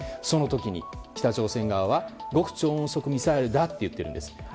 その時に北朝鮮側は極超音速ミサイルだと言っているんです。